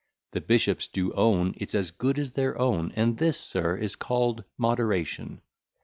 The bishops do own It's as good as their own. And this, Sir, is call'd moderation.